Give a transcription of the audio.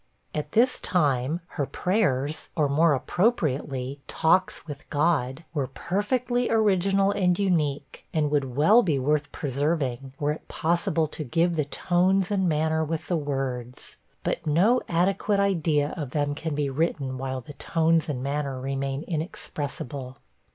At this time, her prayers, or, more appropriately, 'talks with God,' were perfectly original and unique, and would be well worth preserving, were it possible to give the tones and manner with the words; but no adequate idea of them can be written while the tones and manner remain inexpressible.